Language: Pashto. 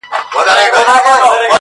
د جهاني د ګل ګېډیو وطن!!